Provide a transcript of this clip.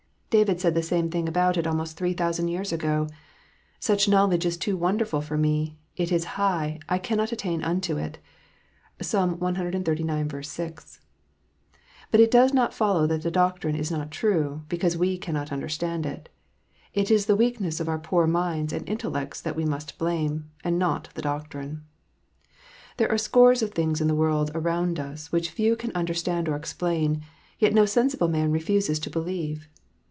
David said the same thing about it almost three thousand years ago. " Such knowledge is too wonderful for me : it is high, I cannot attain unto it." (Psalni cxxxix. 6.) But it does not follow that the doctrine is not true, because we cannot understand it. It is the weakness of our poor minds and intellects that we must blame, and not the doctrine. There are scores of things in the world around us, which few can understand or. explain, yet no sensible man refuses to believe.